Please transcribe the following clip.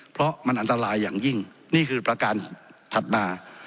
เพราะมันอันตรายอย่างยิ่งนี่คือประการถัดมา